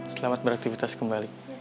selamat beraktivitas kembali